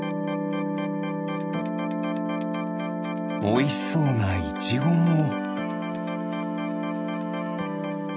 おいしそうなイチゴも。